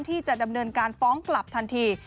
ที่จะดำเนินการฟ้องกลับทันที